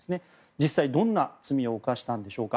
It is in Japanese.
実際、どんな罪を犯したんでしょうか。